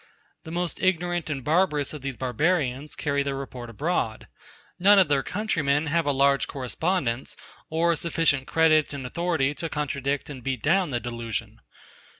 The most ignorant and barbarous of these barbarians carry the report abroad. None of their countrymen have a large correspondence, or sufficient credit and authority to contradict and beat down the delusion.